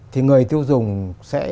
thì người tiêu dùng sẽ